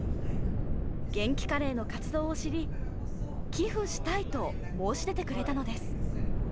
げんきカレーの活動を知り寄付したいと申し出てくれたのです。